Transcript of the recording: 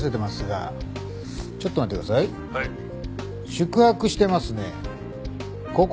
宿泊してますね。